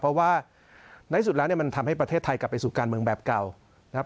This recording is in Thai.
เพราะว่าในสุดแล้วเนี่ยมันทำให้ประเทศไทยกลับไปสู่การเมืองแบบเก่านะครับ